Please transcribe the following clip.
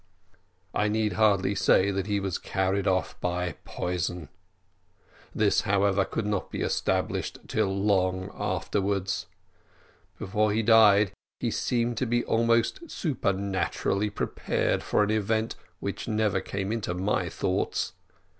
I need hardly say, that he was carried off by poison; this, however, could not be established till long afterwards. Before he died he seemed to be almost supernaturally prepared for an event which never came into my thoughts.